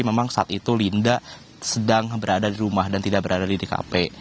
memang saat itu linda sedang berada di rumah dan tidak berada di tkp